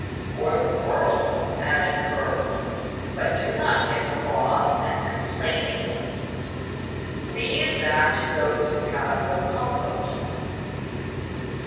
"Or the world?" added Frith. "But do not get cross, and complain again. Leave that to those who have no comfort."